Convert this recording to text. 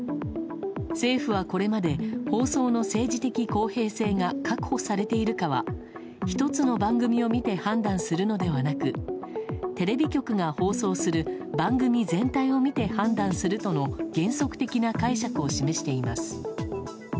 政府はこれまで放送の政治的公平性が確保されているかは１つの番組を見て判断するのではなくテレビ局が放送する番組全体を見て判断するとの原則的な解釈を示しています。